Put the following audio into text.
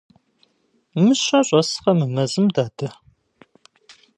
Мыщэ щӀэскъэ мы мэзым, дадэ?